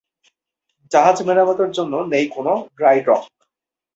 জাহাজ মেরামতের জন্য নেই কোনো ড্রাই ডক।